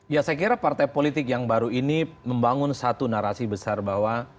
ya saya kira partai politik yang baru ini membangun satu narasi besar bahwa